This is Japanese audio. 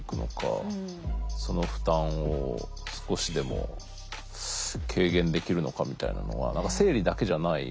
その負担を少しでも軽減できるのかみたいなのは何か生理だけじゃない。